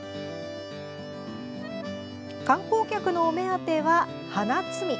観光客のお目当ては花摘み。